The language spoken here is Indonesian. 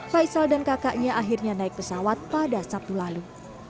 faisal dan kakaknya akhirnya naik pesawat pada sabtu lalu